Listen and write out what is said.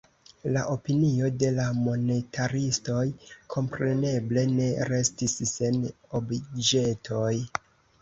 La opinio de la monetaristoj kompreneble ne restis sen obĵetoj.